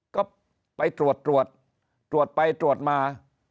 ก็ไปตรวจตรวจตรวจตรวจไปตรวจมา